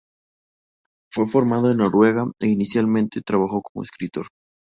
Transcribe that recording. Fue formado en Noruega e inicialmente trabajó como escultor.